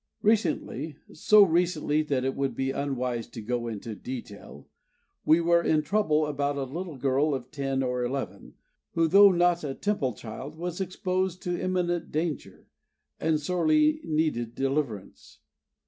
Recently so recently that it would be unwise to go into detail we were in trouble about a little girl of ten or eleven, who, though not a Temple child, was exposed to imminent danger, and sorely needed deliverance.